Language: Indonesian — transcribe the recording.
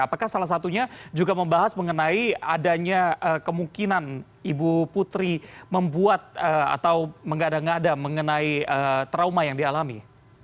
apakah salah satunya juga membahas mengenai adanya kemungkinan ibu putri membuat atau menggada ngada mengenai trauma yang dialami